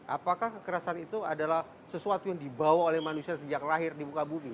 apakah kekerasan itu adalah sesuatu yang dibawa oleh manusia sejak lahir di muka bumi